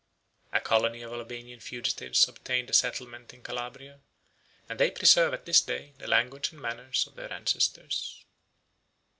A colony of Albanian fugitives obtained a settlement in Calabria, and they preserve at this day the language and manners of their ancestors.